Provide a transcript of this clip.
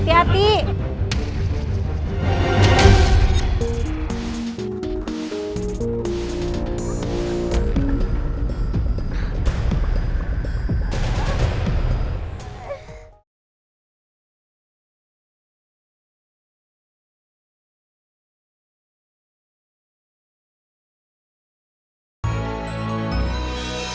terima kasih pak